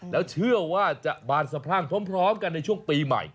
แล้วเชื่อว่าจะบานสะพรั่งพร้อมกันในช่วงปีใหม่